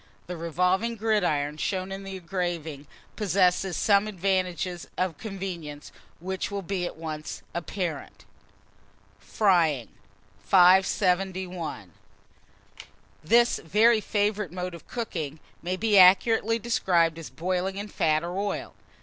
The revolving gridiron, shown in the engraving, possesses some advantages of convenience, which will be at once apparent. FRYING. [Illustration: SAUTÉ PAN.] 571. THIS VERY FAVOURITE MODE OF COOKING may be accurately described as boiling in fat or oil.